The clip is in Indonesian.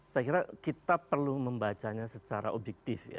saya kira kita perlu membacanya secara objektif ya